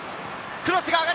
クロスが上がる！